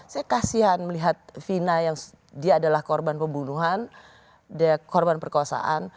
saya kasihan melihat vina yang dia adalah korban pembunuhan dia korban perkosaan